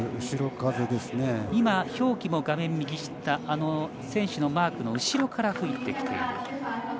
今、表記も画面右下選手のマークの後ろから吹いてきている。